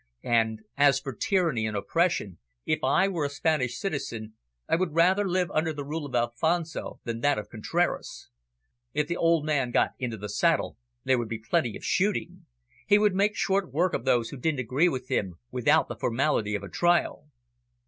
And, as for tyranny and oppression, if I were a Spanish citizen, I would rather live under the rule of Alfonso than that of Contraras. If the old man got into the saddle, there would be plenty of shooting. He would make short work of those who didn't agree with him, without the formality of a trial."